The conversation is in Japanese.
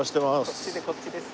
こっちでこっちです。